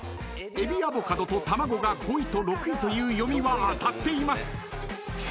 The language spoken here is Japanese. ［えびアボカドとたまごが５位と６位という読みは当たっています］